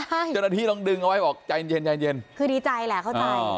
เจ้าหน้าที่ต้องดึงเอาไว้บอกใจเย็นใจเย็นคือดีใจแหละเข้าใจ